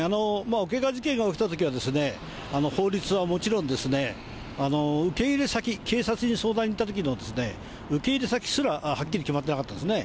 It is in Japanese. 桶川事件が起きたときは、法律はもちろんですね、受け入れ先、警察に相談に行ったときの受け入れ先すらはっきり決まっていなかったんですね。